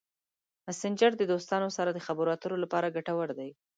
مسېنجر د دوستانو سره د خبرو اترو لپاره ګټور دی.